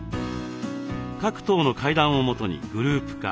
各棟の階段をもとにグループ化。